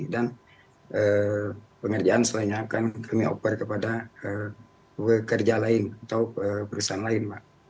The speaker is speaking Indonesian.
dan pengerjaan selainnya akan kami oper kepada kerja lain atau perusahaan lain pak